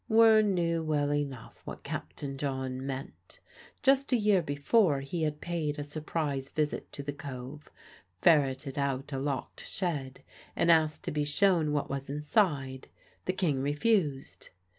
Wearne knew well enough what Captain John meant. Just a year before he had paid a surprise visit to the Cove, ferreted out a locked shed and asked to be shown what was inside. The King refused.